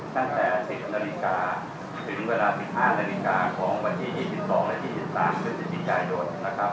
ตั้งแต่๑๐นาฬิกาถึงเวลา๑๕นาฬิกาของวันที่๒๒และ๒๓พฤศจิกายนนะครับ